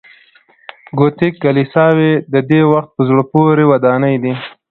ګوتیک کلیساوې د دې وخت په زړه پورې ودانۍ دي.